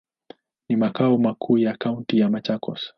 Ni makao makuu ya kaunti ya Machakos.